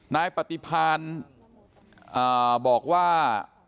นายปฏิพานบอกว่า